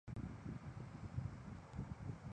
南昌站分为西广场和临时启用的东广场。